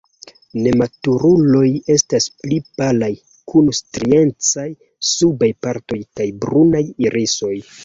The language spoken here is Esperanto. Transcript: Nematuruloj estas pli palaj, kun striecaj subaj partoj kaj brunaj irisoj.